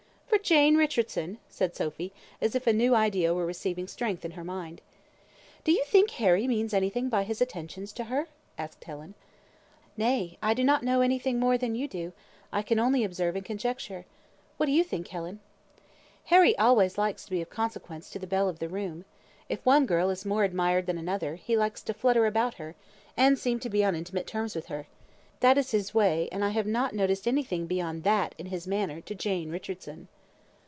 "For Jane Richardson!" said Sophy, as if a new idea were receiving strength in her mind. "Do you think Harry means any thing by his attention to her?" asked Helen. "Nay, I do not know any thing more than you do; I can only observe and conjecture. What do you think, Helen?" "Harry always likes to be of consequence to the belle of the room. If one girl is more admired than another, he likes to flutter about her, and seem to be on intimate terms with her. That is his way, and I have not noticed any thing beyond that in his manner to Jane Richardson."